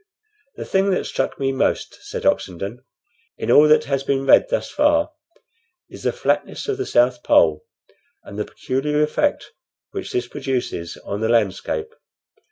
"The thing that struck me most," said Oxenden, "in all that has been read thus far, is the flatness of the South Pole, and the peculiar effect which this produces on the landscape."